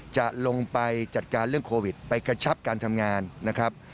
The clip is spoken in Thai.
จะลงไปจัดการเรื่องโควิดไปกระชับการทำงานนะครับ